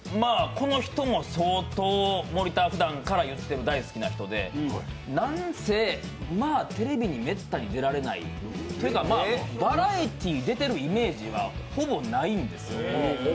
この人も相当、森田、ふだんから言ってる大好きな人でなにせ、テレビにめったに出られない、というか、バラエティー出てるイメージはほぼないんですよ。